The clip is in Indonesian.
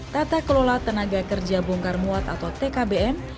tata kelola tenaga kerja bongkar muat atau tkbm